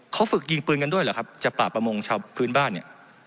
เขาฝึกยิงปืนกันด้วยเหรอครับจากปราบประมงชาวพื้นบ้านเนี่ย